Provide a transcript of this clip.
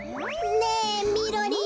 ねえみろりん。